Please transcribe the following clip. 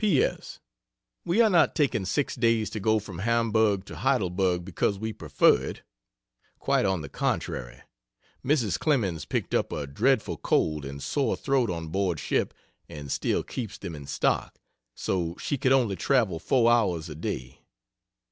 P. S. We are not taking six days to go from Hamburg to Heidelberg because we prefer it. Quite on the contrary. Mrs. Clemens picked up a dreadful cold and sore throat on board ship and still keeps them in stock so she could only travel 4 hours a day.